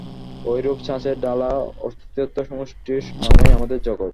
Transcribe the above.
ঐরূপে ছাঁচে ঢালা অস্তিত্ব-সমষ্টির নামই আমাদের জগৎ।